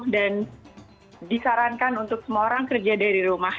dan disarankan untuk semua orang kerja dari rumah